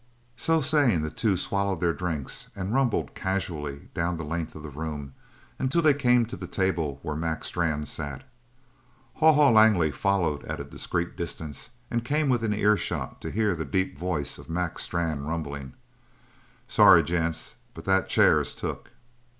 So saying the two swallowed their drinks and rumbled casually down the length of the room until they came to the table where Mac Strann sat. Haw Haw Langley followed at a discreet distance and came within earshot to hear the deep voice of Mac Strann rumbling: "Sorry, gents, but that chair is took."